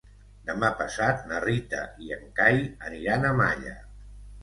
Demà passat na Rita i en Cai aniran a Malla.